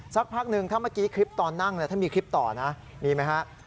สักพักหนึ่งถ้าเมื่อกี้คลิปตอนนั่งถ้ามีคลิปต่อนะมีไหมฮะ